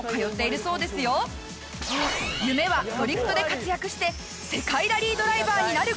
夢はドリフトで活躍して世界ラリードライバーになる事！